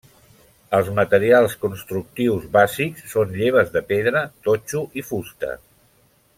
Els materials constructius bàsics són lleves de pedra, totxo i fusta.